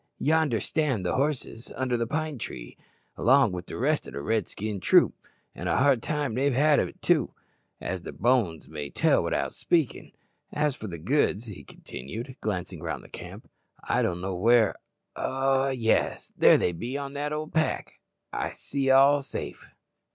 Yonder stand the horses, under the pine tree, along wi' the rest o' the Redskin troop; an' a hard time they've had o't, as their bones may tell without speakin'. As for the goods," he continued, glancing round the camp, "I don't know where ah! yes, there they be in the old pack. I see all safe."